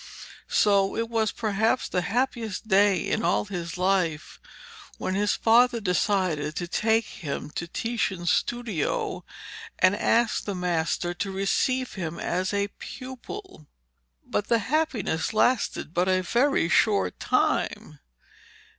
So it was perhaps the happiest day in all his life when his father decided to take him to Titian's studio and ask the master to receive him as a pupil. But the happiness lasted but a very short time.